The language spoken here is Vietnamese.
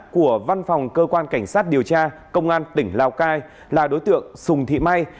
của văn phòng cơ quan cảnh sát điều tra công an tỉnh lào cai là đối tượng sùng thị may